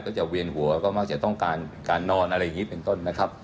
จะเวียนหัวก็มักจะต้องการการนอนอะไรอย่างนี้เป็นต้นนะครับ